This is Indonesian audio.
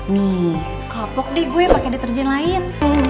nih kopok deh gue pake dia terjen lain